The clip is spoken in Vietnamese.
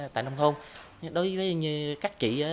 tại nông thôn đối với các chị